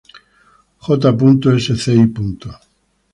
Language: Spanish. J. Sci.